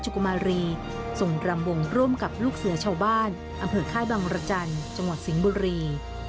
ทุกวันนี้นิยมยังเก็บกล้องและพระบรมชายาลักษมณ์ที่ถ่ายด้วยฝีมือตัวเองไว้เป็นอย่างดี